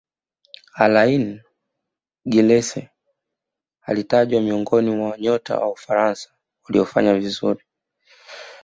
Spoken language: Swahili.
alaine giresse alitajwa miongoni wa nyota wa ufaransa waliofanya vizuri